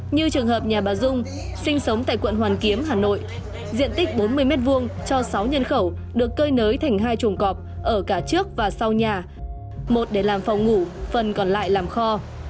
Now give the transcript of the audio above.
như trường hợp nhà bà dung sinh sống tại quận hoàn kiếm hà nội diện tích bốn mươi m hai cho sáu nhân khẩu được cơi nới thành hai chuồng cọp ở cả trước và sau nhà một để làm phòng ngủ phần còn lại làm kho